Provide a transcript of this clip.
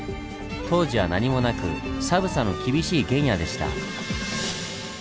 当時は何もなく寒さの厳しい原野でした。